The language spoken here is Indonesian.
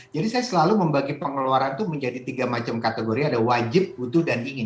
jadi saya selalu membagi pengeluaran itu menjadi tiga macam kategori ada wajib butuh dan ingin